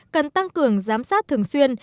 cần tăng cường giám sát thường xuyên